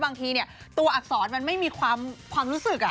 บางทีเนี่ยตัวอักษรมันไม่มีความรู้สึกอ่ะ